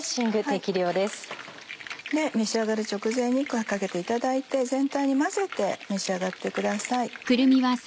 召し上がる直前にかけていただいて全体に混ぜて召し上がってください。